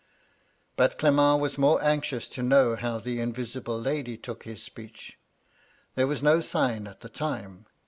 ^' But Clement was more anxious to know how the invisible lady took his speecL There was no sign at the time.